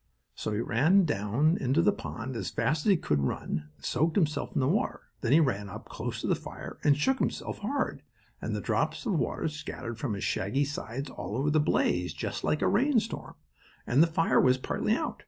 So he ran down into the pond as fast as he could run and soaked himself in the water. Then he ran up close to the fire and shook himself hard, and the drops of water scattered from his shaggy sides all over the blaze, just like a rain storm. And the fire was partly out.